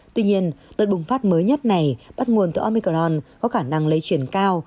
tuy nhiên đợt bùng phát mới nhất này bắt nguồn từ omicron có khả năng lây chuyển cao